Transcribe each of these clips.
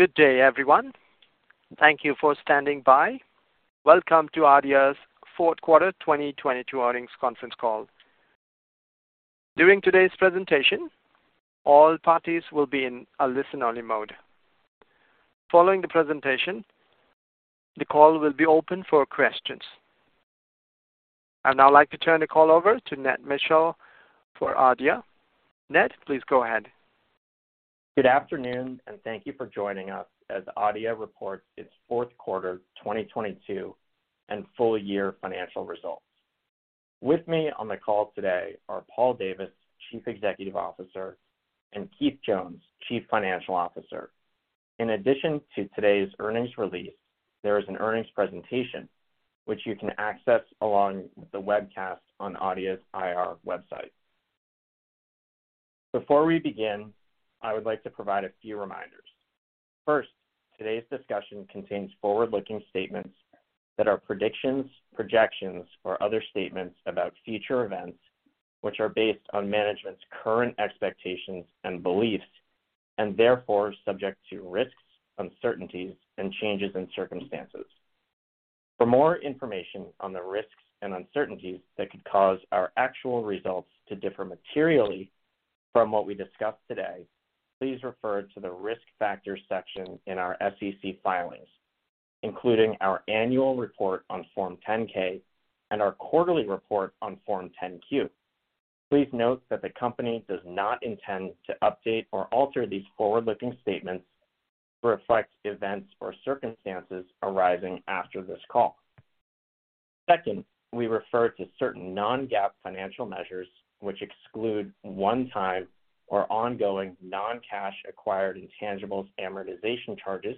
Good day, everyone. Thank you for standing by. Welcome to Adeia's fourth quarter 2022 earnings conference call. During today's presentation, all parties will be in a listen-only mode. Following the presentation, the call will be open for questions. I'd now like to turn the call over to Ned Mitchell for Adeia. Ned, please go ahead. Good afternoon, and thank you for joining us as Adeia reports its 4th quarter 2022 and full year financial results. With me on the call today are Paul Davis, Chief Executive Officer, and Keith Jones, Chief Financial Officer. In addition to today's earnings release, there is an earnings presentation which you can access along with the webcast on Adeia's IR website. Before we begin, I would like to provide a few reminders. First, today's discussion contains forward-looking statements that are predictions, projections, or other statements about future events which are based on management's current expectations and beliefs, and therefore subject to risks, uncertainties, and changes in circumstances. For more information on the risks and uncertainties that could cause our actual results to differ materially from what we discuss today, please refer to the risk factors section in our SEC filings, including our annual report on Form 10-K and our quarterly report on Form 10-Q. Please note that the company does not intend to update or alter these forward-looking statements to reflect events or circumstances arising after this call. Second, we refer to certain non-GAAP financial measures which exclude one-time or ongoing non-cash acquired intangibles amortization charges,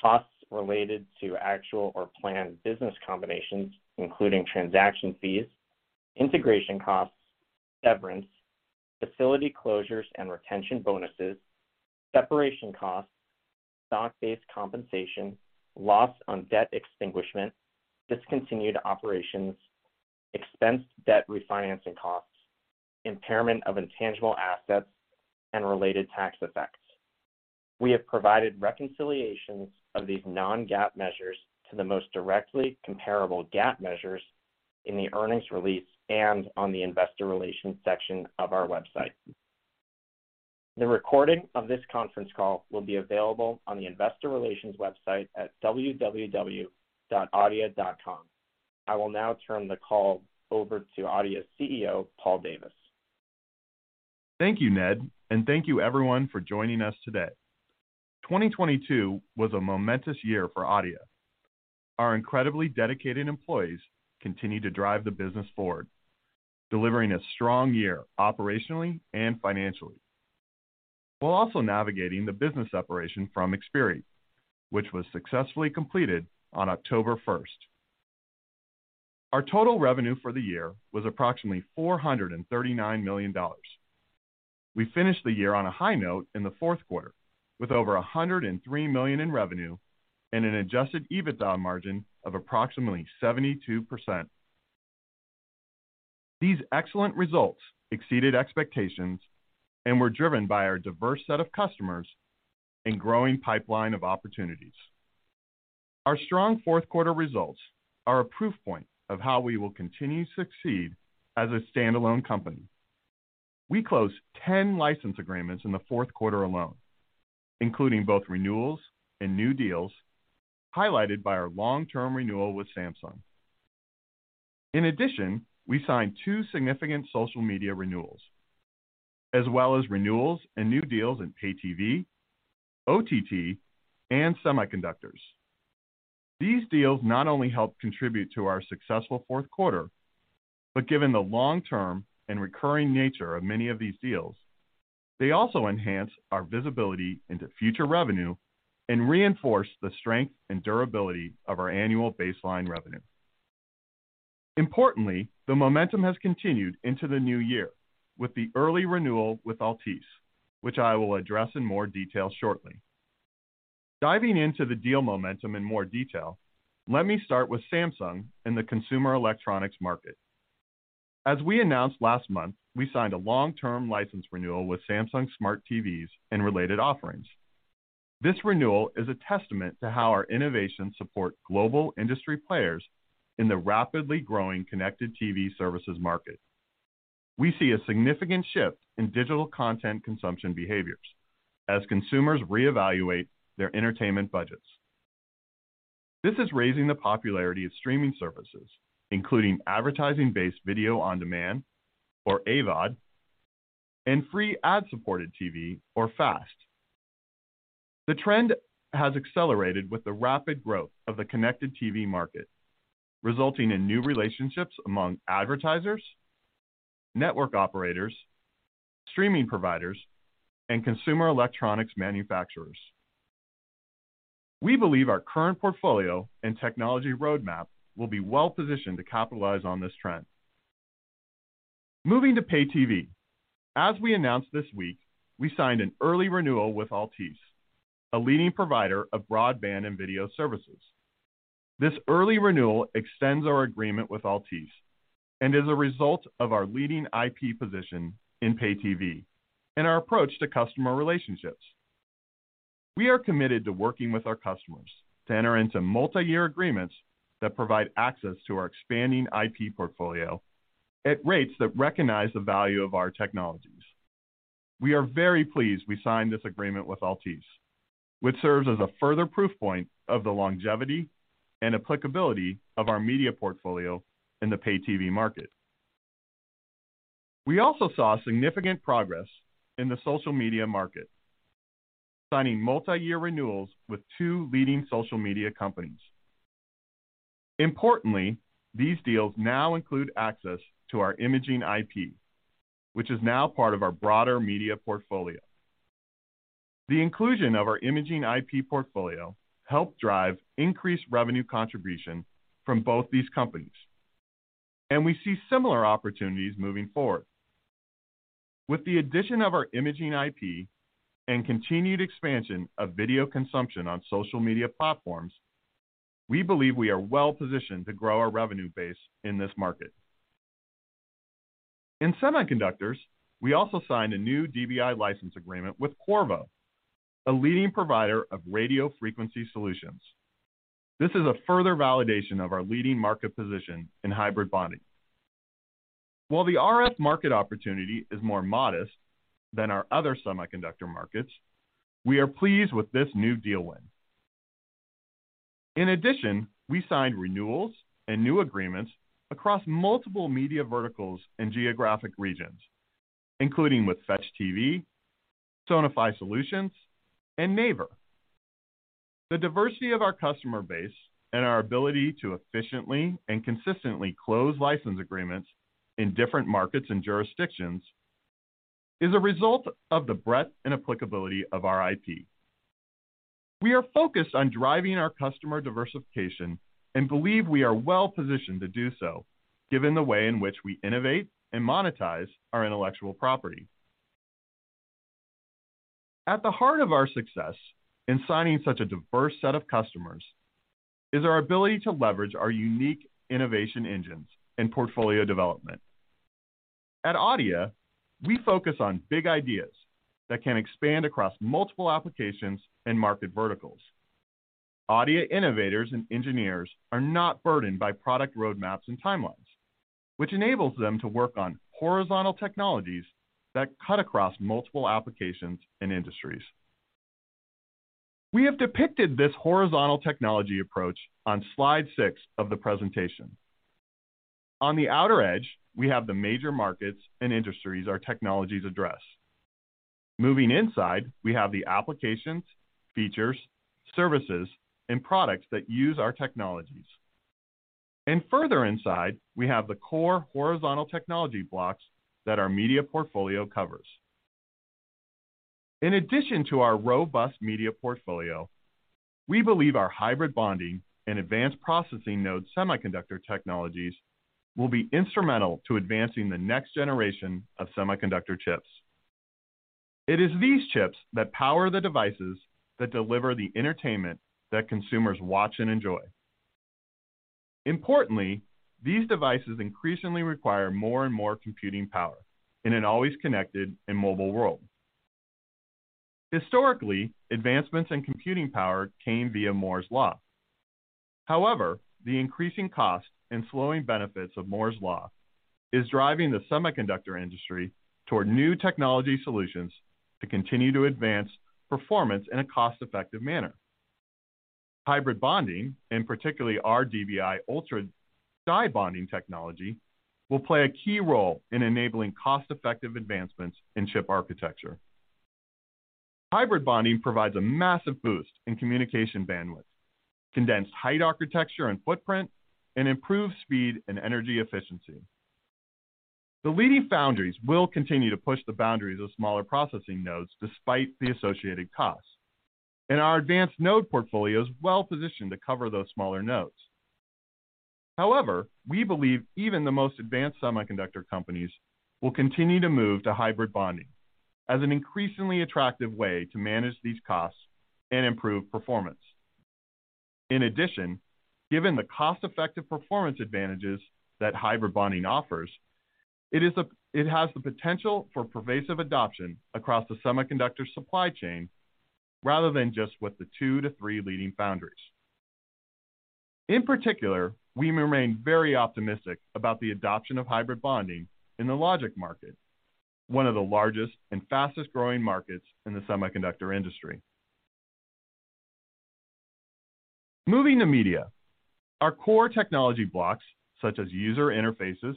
costs related to actual or planned business combinations, including transaction fees, integration costs, severance, facility closures and retention bonuses, separation costs, stock-based compensation, loss on debt extinguishment, discontinued operations, expensed debt refinancing costs, impairment of intangible assets, and related tax effects. We have provided reconciliations of these non-GAAP measures to the most directly comparable GAAP measures in the earnings release and on the investor relations section of our website. The recording of this conference call will be available on the investor relations website at www.adeia.com. I will now turn the call over to Adeia's CEO, Paul Davis. Thank you, Ned, and thank you everyone for joining us today. 2022 was a momentous year for Adeia. Our incredibly dedicated employees continued to drive the business forward, delivering a strong year operationally and financially, while also navigating the business separation from Xperi, which was successfully completed on October 1st. Our total revenue for the year was approximately $439 million. We finished the year on a high note in the fourth quarter with over $103 million in revenue and an adjusted EBITDA margin of approximately 72%. These excellent results exceeded expectations and were driven by our diverse set of customers and growing pipeline of opportunities. Our strong fourth quarter results are a proof point of how we will continue to succeed as a standalone company. We closed 10 license agreements in the fourth quarter alone, including both renewals and new deals, highlighted by our long-term renewal with Samsung. We signed 2 significant social media renewals, as well as renewals and new deals in Pay TV, OTT, and semiconductors. These deals not only help contribute to our successful fourth quarter, but given the long-term and recurring nature of many of these deals, they also enhance our visibility into future revenue and reinforce the strength and durability of our annual baseline revenue. Importantly, the momentum has continued into the new year with the early renewal with Altice, which I will address in more detail shortly. Diving into the deal momentum in more detail, let me start with Samsung in the consumer electronics market. As we announced last month, we signed a long-term license renewal with Samsung Smart TV and related offerings. This renewal is a testament to how our innovations support global industry players in the rapidly growing connected TV services market. We see a significant shift in digital content consumption behaviors as consumers reevaluate their entertainment budgets. This is raising the popularity of streaming services, including advertising-based video on demand, or AVOD, and free ad-supported TV, or FAST. The trend has accelerated with the rapid growth of the connected TV market, resulting in new relationships among advertisers, network operators, streaming providers, and consumer electronics manufacturers. We believe our current portfolio and technology roadmap will be well-positioned to capitalize on this trend. Moving to Pay TV. As we announced this week, we signed an early renewal with Altice, a leading provider of broadband and video services. This early renewal extends our agreement with Altice and is a result of our leading IP position in Pay TV and our approach to customer relationships. We are committed to working with our customers to enter into multi-year agreements that provide access to our expanding IP portfolio at rates that recognize the value of our technologies. We are very pleased we signed this agreement with Altice, which serves as a further proof point of the longevity and applicability of our media portfolio in the Pay TV market. We also saw significant progress in the social media market, signing multi-year renewals with two leading social media companies. Importantly, these deals now include access to our imaging IP, which is now part of our broader media portfolio. The inclusion of our imaging IP portfolio helped drive increased revenue contribution from both these companies, and we see similar opportunities moving forward. With the addition of our imaging IP and continued expansion of video consumption on social media platforms, we believe we are well positioned to grow our revenue base in this market. In semiconductors, we also signed a new DBI license agreement with Qorvo, a leading provider of radio frequency solutions. This is a further validation of our leading market position in hybrid bonding. While the RF market opportunity is more modest than our other semiconductor markets, we are pleased with this new deal win. In addition, we signed renewals and new agreements across multiple media verticals and geographic regions, including with Fetch TV, SONIFI Solutions, and Naver. The diversity of our customer base and our ability to efficiently and consistently close license agreements in different markets and jurisdictions is a result of the breadth and applicability of our IP. We are focused on driving our customer diversification and believe we are well positioned to do so, given the way in which we innovate and monetize our intellectual property. At the heart of our success in signing such a diverse set of customers is our ability to leverage our unique innovation engines in portfolio development. At Adeia, we focus on big ideas that can expand across multiple applications and market verticals. Adeia innovators and engineers are not burdened by product roadmaps and timelines, which enables them to work on horizontal technologies that cut across multiple applications and industries. We have depicted this horizontal technology approach on slide 6 of the presentation. On the outer edge, we have the major markets and industries our technologies address. Moving inside, we have the applications, features, services, and products that use our technologies. Further inside, we have the core horizontal technology blocks that our media portfolio covers. In addition to our robust media portfolio, we believe our hybrid bonding and advanced processing node semiconductor technologies will be instrumental to advancing the next generation of semiconductor chips. It is these chips that power the devices that deliver the entertainment that consumers watch and enjoy. Importantly, these devices increasingly require more and more computing power in an always connected and mobile world. Historically, advancements in computing power came via Moore's Law. However, the increasing cost and slowing benefits of Moore's Law is driving the semiconductor industry toward new technology solutions to continue to advance performance in a cost-effective manner. Hybrid bonding, and particularly our DBI Ultra Die Bonding technology, will play a key role in enabling cost-effective advancements in chip architecture. Hybrid bonding provides a massive boost in communication bandwidth, condensed height architecture, and footprint, and improved speed and energy efficiency. The leading foundries will continue to push the boundaries of smaller processing nodes despite the associated costs, and our advanced node portfolio is well positioned to cover those smaller nodes. However, we believe even the most advanced semiconductor companies will continue to move to hybrid bonding as an increasingly attractive way to manage these costs and improve performance. In addition, given the cost-effective performance advantages that hybrid bonding offers, it has the potential for pervasive adoption across the semiconductor supply chain rather than just with the two to three leading foundries. In particular, we remain very optimistic about the adoption of hybrid bonding in the logic market, one of the largest and fastest-growing markets in the semiconductor industry. Moving to media, our core technology blocks, such as user interfaces,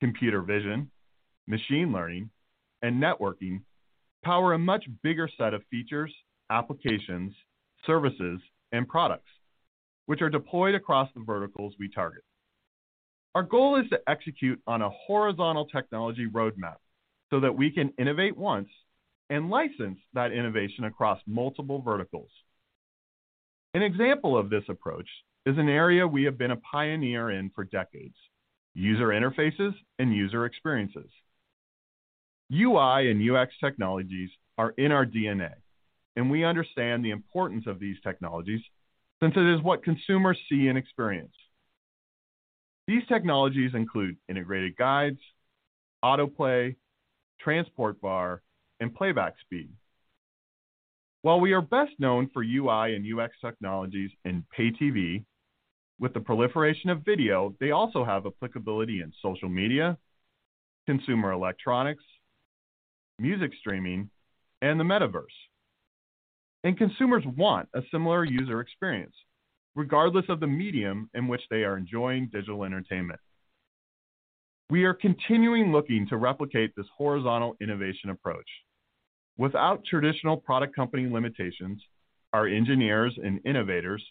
computer vision, machine learning, and networking, power a much bigger set of features, applications, services, and products, which are deployed across the verticals we target. Our goal is to execute on a horizontal technology roadmap so that we can innovate once and license that innovation across multiple verticals. An example of this approach is an area we have been a pioneer in for decades: user interfaces and user experiences. UI and UX technologies are in our DNA, and we understand the importance of these technologies since it is what consumers see and experience. These technologies include integrated guides, autoplay, transport bar, and playback speed. While we are best known for UI and UX technologies in Pay TV, with the proliferation of video, they also have applicability in social media, consumer electronics, music streaming, and the metaverse. Consumers want a similar user experience regardless of the medium in which they are enjoying digital entertainment. We are continuing looking to replicate this horizontal innovation approach. Without traditional product company limitations, our engineers and innovators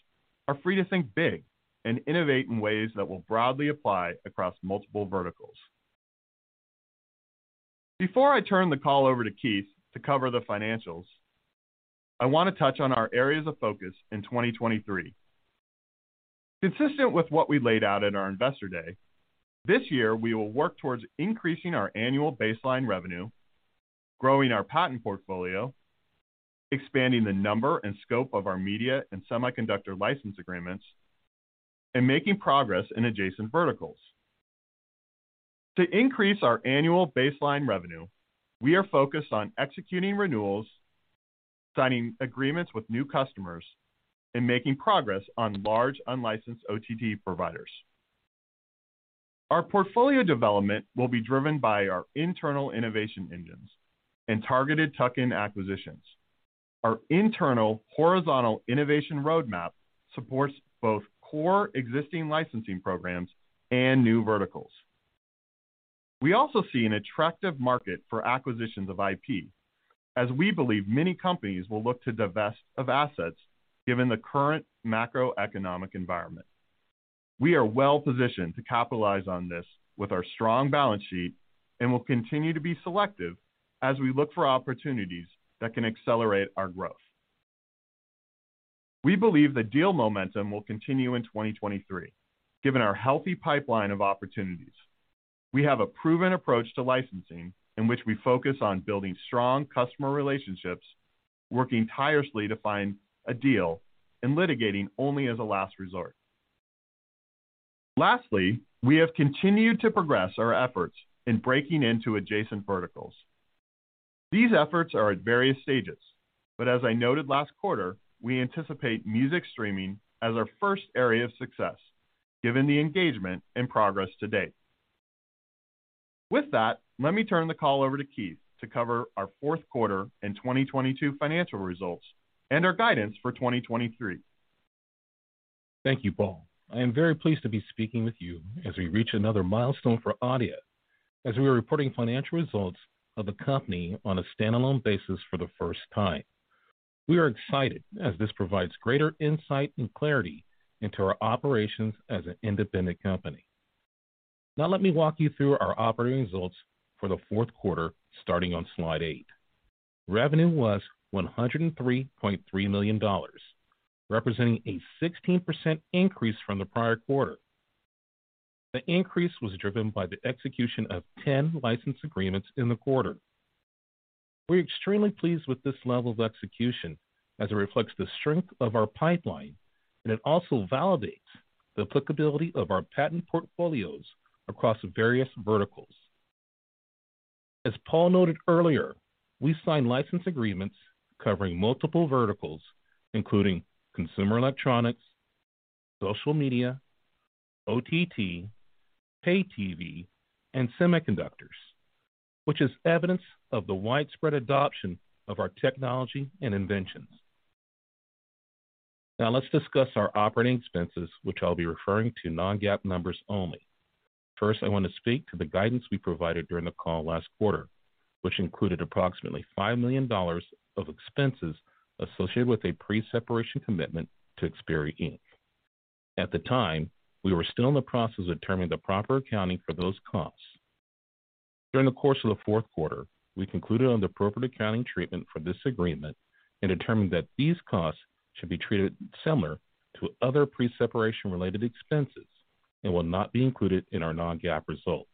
are free to think big and innovate in ways that will broadly apply across multiple verticals. Before I turn the call over to Keith to cover the financials, I want to touch on our areas of focus in 2023. Consistent with what we laid out at our Investor Day, this year we will work towards increasing our annual baseline revenue, growing our patent portfolio, expanding the number and scope of our media and semiconductor license agreements, and making progress in adjacent verticals. To increase our annual baseline revenue, we are focused on executing renewals, signing agreements with new customers, and making progress on large unlicensed OTT providers. Our portfolio development will be driven by our internal innovation engines and targeted tuck-in acquisitions. Our internal horizontal innovation roadmap supports both core existing licensing programs and new verticals. We also see an attractive market for acquisitions of IP, as we believe many companies will look to divest of assets given the current macroeconomic environment. We are well-positioned to capitalize on this with our strong balance sheet and will continue to be selective as we look for opportunities that can accelerate our growth. We believe the deal momentum will continue in 2023, given our healthy pipeline of opportunities. We have a proven approach to licensing in which we focus on building strong customer relationships, working tirelessly to find a deal, and litigating only as a last resort. Lastly, we have continued to progress our efforts in breaking into adjacent verticals. These efforts are at various stages, but as I noted last quarter, we anticipate music streaming as our first area of success given the engagement and progress to date. With that, let me turn the call over to Keith to cover our fourth quarter and 2022 financial results and our guidance for 2023. Thank you, Paul. I am very pleased to be speaking with you as we reach another milestone for Adeia as we are reporting financial results of the company on a standalone basis for the first time. We are excited as this provides greater insight and clarity into our operations as an independent company. Let me walk you through our operating results for the fourth quarter starting on slide eight. Revenue was $103.3 million, representing a 16% increase from the prior quarter. The increase was driven by the execution of 10 license agreements in the quarter. We're extremely pleased with this level of execution as it reflects the strength of our pipeline, and it also validates the applicability of our patent portfolios across various verticals. As Paul noted earlier, we signed license agreements covering multiple verticals, including consumer electronics, social media, OTT, Pay TV, and semiconductors, which is evidence of the widespread adoption of our technology and inventions. Let's discuss our operating expenses, which I'll be referring to non-GAAP numbers only. First, I want to speak to the guidance we provided during the call last quarter, which included approximately $5 million of expenses associated with a pre-separation commitment to Xperi Inc. At the time, we were still in the process of determining the proper accounting for those costs. During the course of the fourth quarter, we concluded on the appropriate accounting treatment for this agreement and determined that these costs should be treated similar to other pre-separation related expenses and will not be included in our non-GAAP results.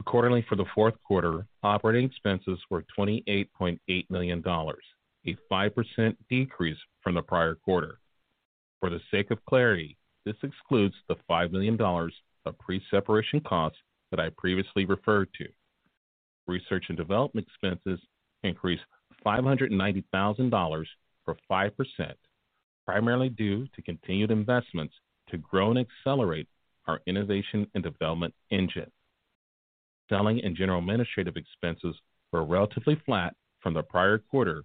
Accordingly, for the fourth quarter, operating expenses were $28.8 million, a 5% decrease from the prior quarter. For the sake of clarity, this excludes the $5 million of pre-separation costs that I previously referred to. Research and development expenses increased $590,000, or 5%, primarily due to continued investments to grow and accelerate our innovation and development engine. Selling and general administrative expenses were relatively flat from the prior quarter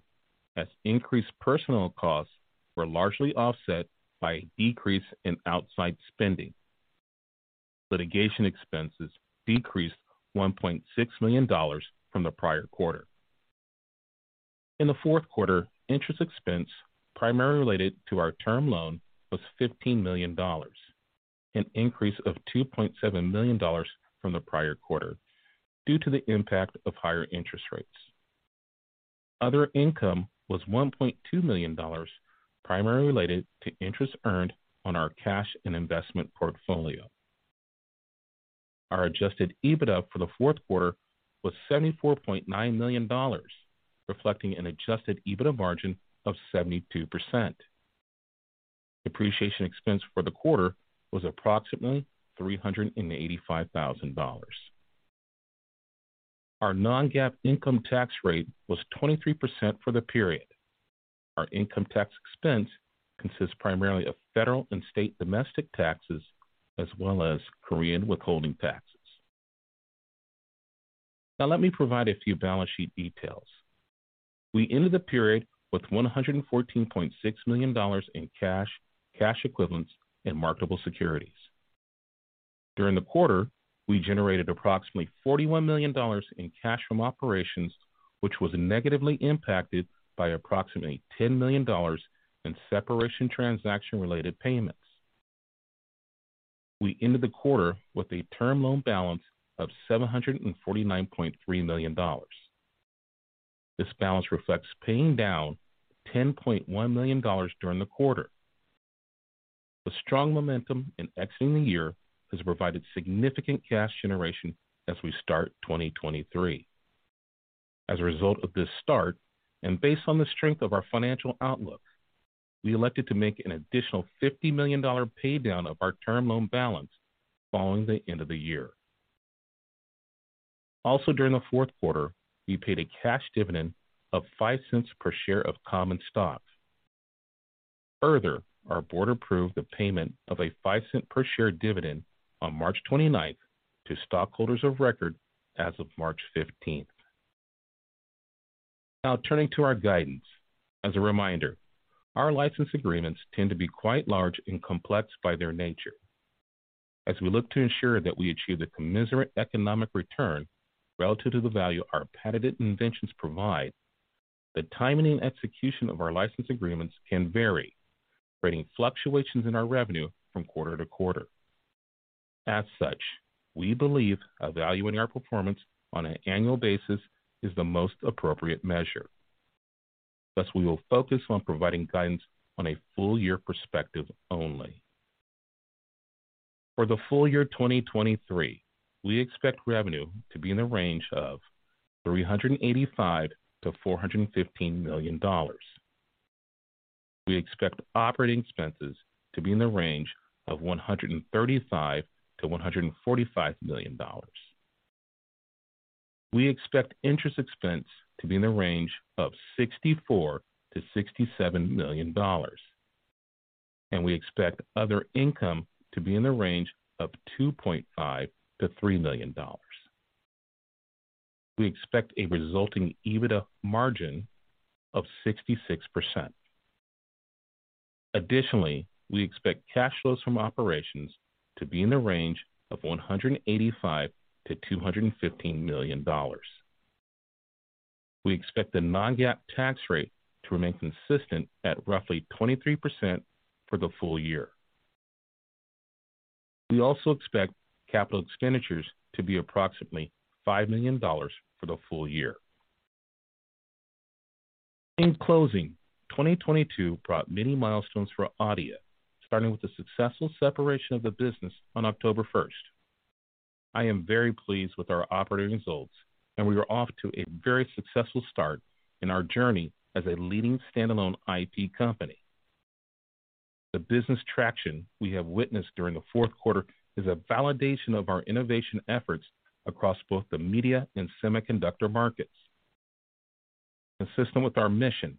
as increased personnel costs were largely offset by a decrease in outside spending. Litigation expenses decreased $1.6 million from the prior quarter. In the fourth quarter, interest expense primarily related to our term loan was $15 million, an increase of $2.7 million from the prior quarter due to the impact of higher interest rates. Other income was $1.2 million, primarily related to interest earned on our cash and investment portfolio. Our adjusted EBITDA for the fourth quarter was $74.9 million, reflecting an adjusted EBITDA margin of 72%. Depreciation expense for the quarter was approximately $385,000. Our non-GAAP income tax rate was 23% for the period. Our income tax expense consists primarily of federal and state domestic taxes as well as Korean withholding taxes. Now, let me provide a few balance sheet details. We ended the period with $114.6 million in cash equivalents, and marketable securities. During the quarter, we generated approximately $41 million in cash from operations, which was negatively impacted by approximately $10 million in separation transaction-related payments. We ended the quarter with a term loan balance of $749.3 million. This balance reflects paying down $10.1 million during the quarter. The strong momentum in exiting the year has provided significant cash generation as we start 2023. As a result of this start, based on the strength of our financial outlook, we elected to make an additional $50 million pay down of our term loan balance following the end of the year. Also, during the fourth quarter, we paid a cash dividend of $0.05 per share of common stock. Further, our board approved the payment of a $0.05 per share dividend on March 29th to stockholders of record as of March 15th. Now turning to our guidance. As a reminder, our license agreements tend to be quite large and complex by their nature. As we look to ensure that we achieve the commensurate economic return relative to the value our patented inventions provide, the timing and execution of our license agreements can vary, creating fluctuations in our revenue from quarter to quarter. As such, we believe evaluating our performance on an annual basis is the most appropriate measure. Thus, we will focus on providing guidance on a full year perspective only. For the full year 2023, we expect revenue to be in the range of $385 million-$415 million. We expect operating expenses to be in the range of $135 million-$145 million. We expect interest expense to be in the range of $64 million-$67 million. We expect other income to be in the range of $2.5 million-$3 million. We expect a resulting EBITDA margin of 66%. Additionally, we expect cash flows from operations to be in the range of $185 million-$215 million. We expect the non-GAAP tax rate to remain consistent at roughly 23% for the full year. We also expect capital expenditures to be approximately $5 million for the full year. In closing, 2022 brought many milestones for Adeia, starting with the successful separation of the business on October 1st. I am very pleased with our operating results. We are off to a very successful start in our journey as a leading standalone IP company. The business traction we have witnessed during the fourth quarter is a validation of our innovation efforts across both the media and semiconductor markets. Consistent with our mission,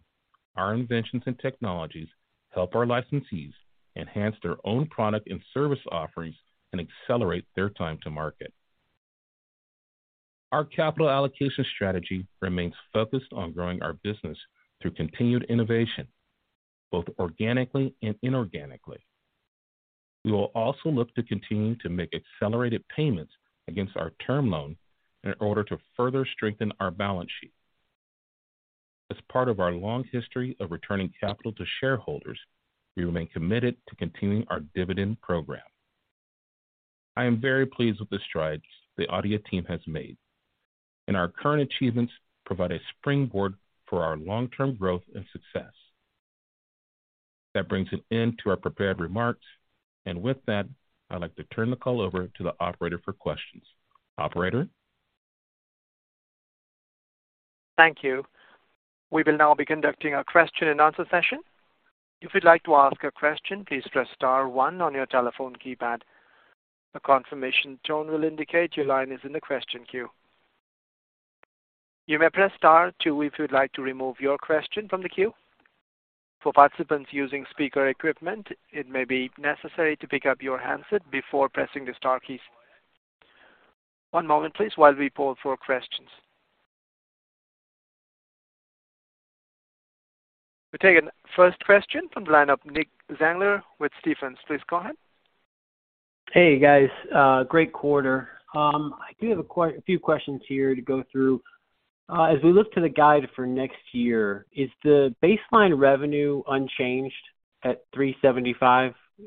our inventions and technologies help our licensees enhance their own product and service offerings and accelerate their time to market. Our capital allocation strategy remains focused on growing our business through continued innovation, both organically and inorganically. We will also look to continue to make accelerated payments against our term loan in order to further strengthen our balance sheet. As part of our long history of returning capital to shareholders, we remain committed to continuing our dividend program. I am very pleased with the strides the Adeia team has made. Our current achievements provide a springboard for our long-term growth and success. That brings an end to our prepared remarks. With that, I'd like to turn the call over to the operator for questions. Operator? Thank you. We will now be conducting a question and answer session. If you'd like to ask a question, please press star one on your telephone keypad. A confirmation tone will indicate your line is in the question queue. You may press star two if you'd like to remove your question from the queue. For participants using speaker equipment, it may be necessary to pick up your handset before pressing the star keys. One moment please while we poll for questions. We take the first question from the line of Nick Zangler with Stephens. Please go ahead. Hey, guys, great quarter. I do have a few questions here to go through. As we look to the guide for next year, is the baseline revenue unchanged at $375?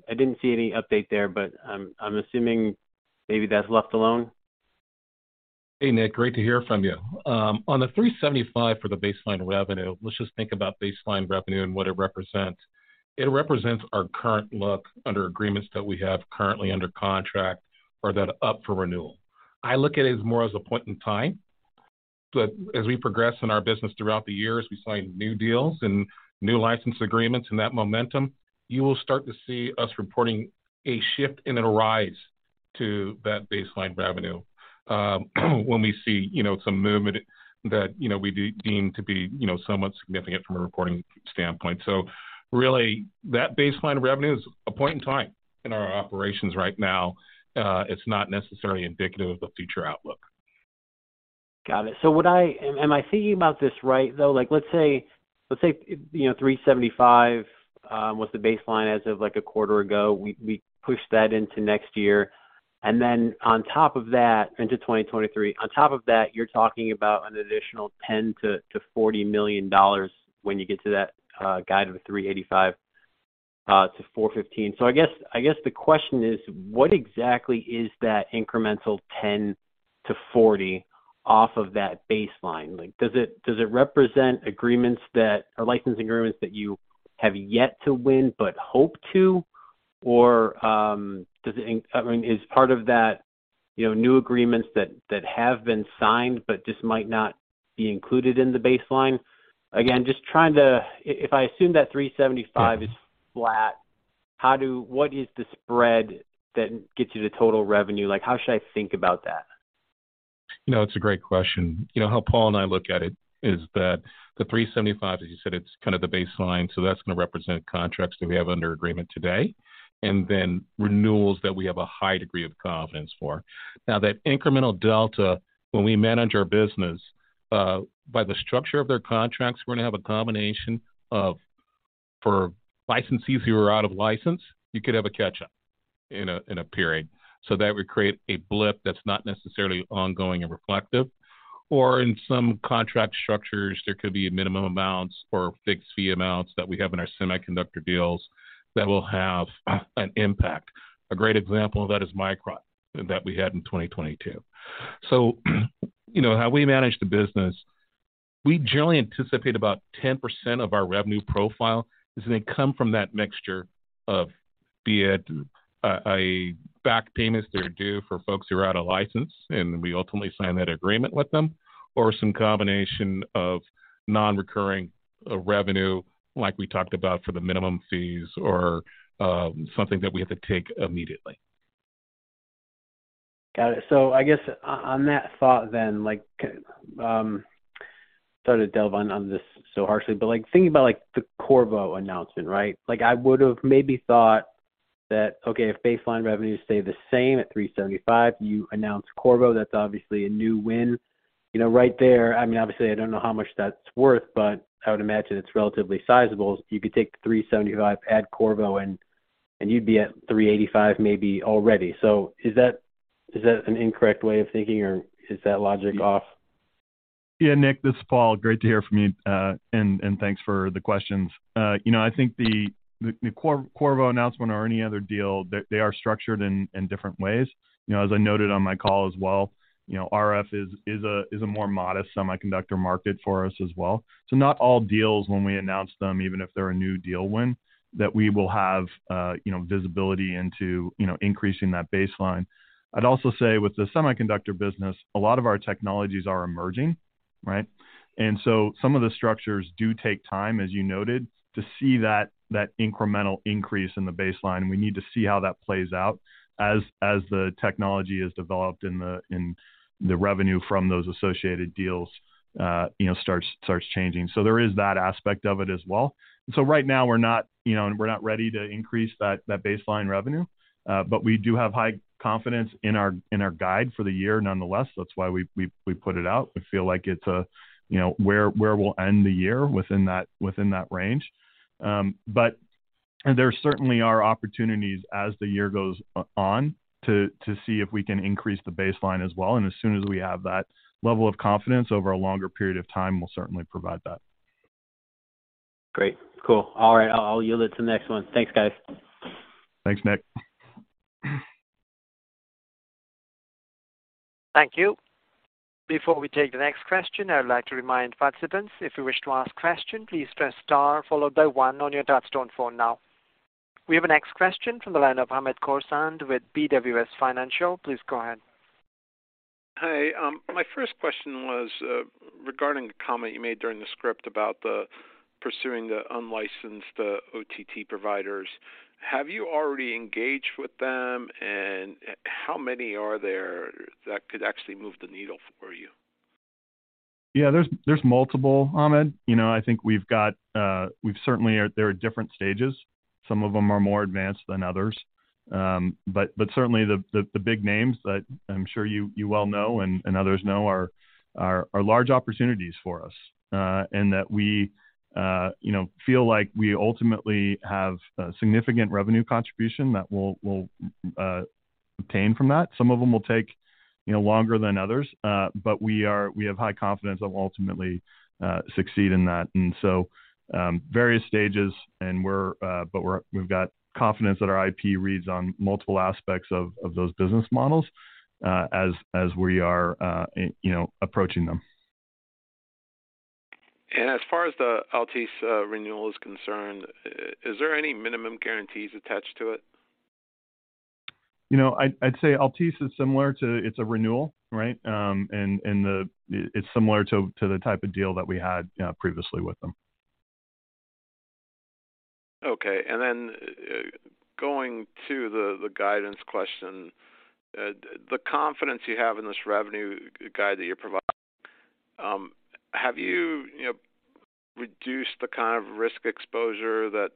I didn't see any update there, but I'm assuming maybe that's left alone. Hey, Nick. Great to hear from you. On the $375 for the baseline revenue, let's just think about baseline revenue and what it represents. It represents our current look under agreements that we have currently under contract or that are up for renewal. I look at it as more as a point in time that as we progress in our business throughout the years, we sign new deals and new license agreements and that momentum, you will start to see us reporting a shift and a rise to that baseline revenue when we see, you know, some movement that, you know, we do deem to be, you know, somewhat significant from a reporting standpoint. That baseline revenue is a point in time in our operations right now. It's not necessarily indicative of the future outlook. Got it. Am I thinking about this right, though? Like, let's say, you know, $375 was the baseline as of, like, a quarter ago. We pushed that into next year. On top of that, you're talking about an additional $10 million-$40 million when you get to that guide of a $385-$415. The question is: What exactly is that incremental $10-$40 off of that baseline? Like, does it represent licensing agreements that you have yet to win but hope to? Or, I mean, is part of that, you know, new agreements that have been signed but just might not be included in the baseline? Again, just trying to. If I assume that $375 is flat, what is the spread that gets you the total revenue? Like, how should I think about that? You know, it's a great question. You know, how Paul and I look at it is that the $375, as you said, it's kind of the baseline, that's gonna represent contracts that we have under agreement today. Renewals that we have a high degree of confidence for. That incremental delta, when we manage our business, by the structure of their contracts, we're gonna have a combination of, for licensees who are out of license, you could have a catch-up in a period. That would create a blip that's not necessarily ongoing and reflective. In some contract structures, there could be minimum amounts or fixed fee amounts that we have in our semiconductor deals that will have an impact. A great example of that is Micron that we had in 2022. You know, how we manage the business, we generally anticipate about 10% of our revenue profile is gonna come from that mixture of, be it, a back payments that are due for folks who are out of license, and we ultimately sign that agreement with them, or some combination of non-recurring revenue like we talked about for the minimum fees or, something that we have to take immediately. Got it. I guess on that thought then, like, sorry to delve on this so harshly, but, like, thinking about, like, the Qorvo announcement, right? Like, I would have maybe thought that, okay, if baseline revenues stay the same at $375, you announce Qorvo, that's obviously a new win. You know, right there, I mean, obviously, I don't know how much that's worth, but I would imagine it's relatively sizable. You could take the $375, add Qorvo, and you'd be at $385 maybe already. Is that, is that an incorrect way of thinking, or is that logic off? Nick, this is Paul. Great to hear from you, and thanks for the questions. You know, I think the Qorvo announcement or any other deal, they are structured in different ways. You know, as I noted on my call as well, you know, RF is a more modest semiconductor market for us as well. Not all deals when we announce them, even if they're a new deal win, that we will have, you know, visibility into, you know, increasing that baseline. I'd also say with the semiconductor business, a lot of our technologies are emerging, right? So some of the structures do take time, as you noted, to see that incremental increase in the baseline. We need to see how that plays out as the technology is developed and the, and the revenue from those associated deals, you know, starts changing. There is that aspect of it as well. Right now we're not, you know, we're not ready to increase that baseline revenue, but we do have high confidence in our, in our guide for the year nonetheless. That's why we put it out. We feel like it's, you know, where we'll end the year within that, within that range. There certainly are opportunities as the year goes on to see if we can increase the baseline as well. As soon as we have that level of confidence over a longer period of time, we'll certainly provide that. Great. Cool. All right, I'll yield it to the next one. Thanks, guys. Thanks, Nick. Thank you. Before we take the next question, I would like to remind participants, if you wish to ask question, please press star followed by one on your touch tone phone now. We have a next question from the line of Hamed Khorsand with BWS Financial. Please go ahead. Hey. My first question was, regarding the comment you made during the script about the pursuing the unlicensed OTT providers. Have you already engaged with them, and how many are there that could actually move the needle for you? Yeah, there's multiple, Hamed. You know, I think there are different stages. Some of them are more advanced than others. But certainly the big names that I'm sure you well know and others know are large opportunities for us, and that we, you know, feel like we ultimately have a significant revenue contribution that we'll obtain from that. Some of them will take, you know, longer than others, but we have high confidence that we'll ultimately succeed in that. Various stages and we've got confidence that our IP reads on multiple aspects of those business models as we are, you know, approaching them. As far as the Altice renewal is concerned, is there any minimum guarantees attached to it? You know, I'd say Altice is similar to. It's a renewal, right? It's similar to the type of deal that we had previously with them. Okay. Then going to the guidance question, the confidence you have in this revenue guide that you're providing, have you know, reduced the kind of risk exposure that,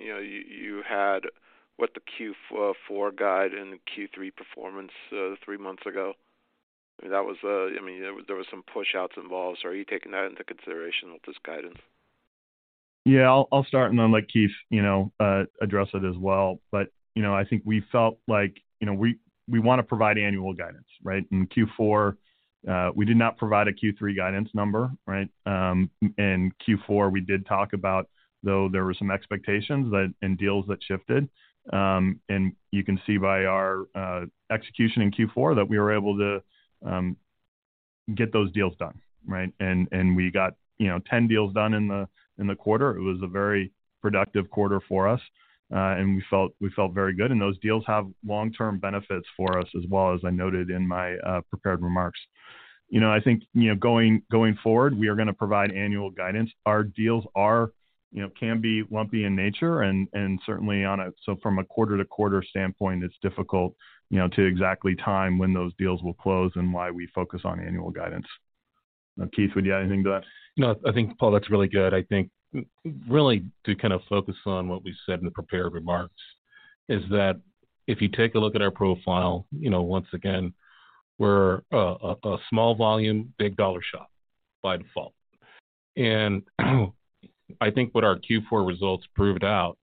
you know, you had with the Q4 guide and Q3 performance, three months ago? I mean, there was some push-outs involved. Are you taking that into consideration with this guidance? Yeah, I'll start and then let Keith, you know, address it as well. You know, I think we felt like, you know, we wanna provide annual guidance, right? In Q4, we did not provide a Q3 guidance number, right? In Q4, we did talk about, though, there were some expectations that and deals that shifted. You can see by our execution in Q4 that we were able to get those deals done, right? We got, you know, 10 deals done in the quarter. It was a very productive quarter for us, and we felt very good. Those deals have long-term benefits for us as well, as I noted in my prepared remarks. You know, I think, you know, going forward, we are gonna provide annual guidance. Our deals are, you know, can be lumpy in nature and certainly so from a quarter-to-quarter standpoint, it's difficult, you know, to exactly time when those deals will close and why we focus on annual guidance. Keith, would you add anything to that? No, I think, Paul, that's really good. I think really to kind of focus on what we said in the prepared remarks is that if you take a look at our profile, you know, once again, we're a small volume, big dollar shop by default. I think what our Q4 results proved out,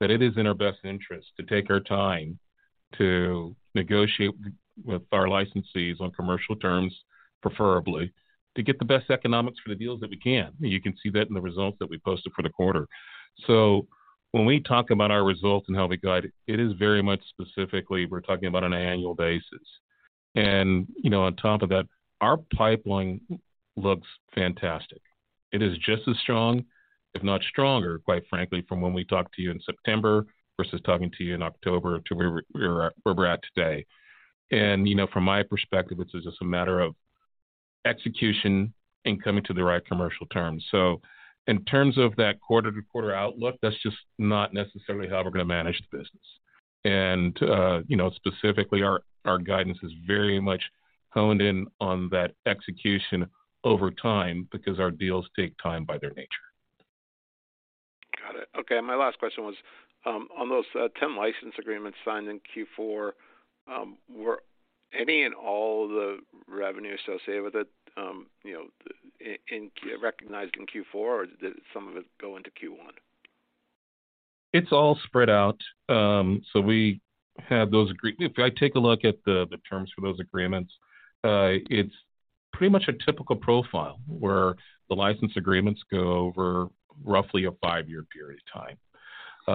that it is in our best interest to take our time to negotiate with our licensees on commercial terms, preferably to get the best economics for the deals that we can. You can see that in the results that we posted for the quarter. When we talk about our results and how we guide, it is very much specifically we're talking about on an annual basis. You know, on top of that, our pipeline looks fantastic. It is just as strong, if not stronger, quite frankly, from when we talked to you in September versus talking to you in October to where we're at, where we're at today. you know, from my perspective, it's just a matter of execution and coming to the right commercial terms. In terms of that quarter-to-quarter outlook, that's just not necessarily how we're gonna manage the business. you know, specifically, our guidance is very much honed in on that execution over time because our deals take time by their nature. Got it. Okay, my last question was, on those, 10 license agreements signed in Q4, were any and all the revenue associated with it, you know, recognized in Q4 or did some of it go into Q1? It's all spread out. If I take a look at the terms for those agreements, it's pretty much a typical profile where the license agreements go over roughly a five-year period of time.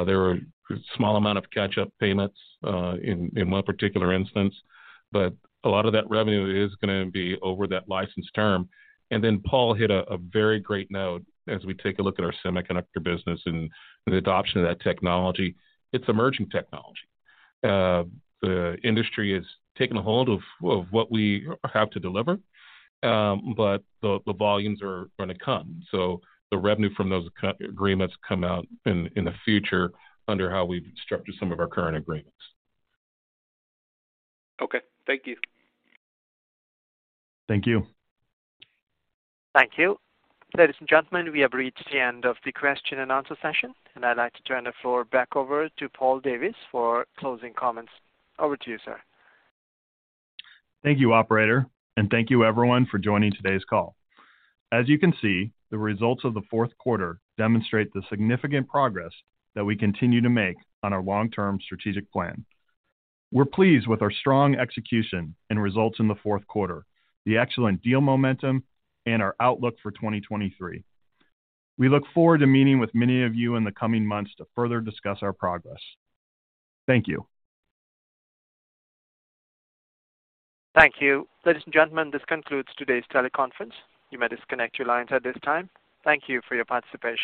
There are a small amount of catch-up payments, in one particular instance, but a lot of that revenue is gonna be over that license term. Paul hit a very great note as we take a look at our semiconductor business and the adoption of that technology. It's emerging technology. The industry is taking a hold of what we have to deliver. The volumes are gonna come. The revenue from those agreements come out in the future under how we've structured some of our current agreements. Okay. Thank you. Thank you. Thank you. Ladies and gentlemen, we have reached the end of the question and answer session. I'd like to turn the floor back over to Paul Davis for closing comments. Over to you, sir. Thank you, operator, and thank you everyone for joining today's call. As you can see, the results of the fourth quarter demonstrate the significant progress that we continue to make on our long-term strategic plan. We're pleased with our strong execution and results in the fourth quarter, the excellent deal momentum, and our outlook for 2023. We look forward to meeting with many of you in the coming months to further discuss our progress. Thank you. Thank you. Ladies and gentlemen, this concludes today's teleconference. You may disconnect your lines at this time. Thank you for your participation.